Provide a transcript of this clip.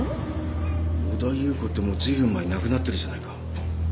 小田夕子ってもうずいぶん前に亡くなってるじゃないか。